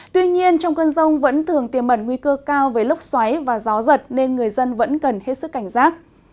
tuy nhiên trong cơn rông vẫn thường tiềm mẩn nguy cơ cao với lốc xoáy và gió giật nên người dân vẫn cần hết sức cảnh giác